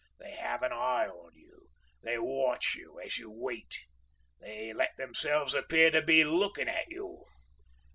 They have an eye on you. They watch you—as you wait. They let themselves appear to be lookin' at you..."